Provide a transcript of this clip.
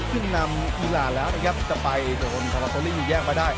ขึ้นนำอีลานจะไปเมื่อโดยโดยโตราโตรีแย่งไปได้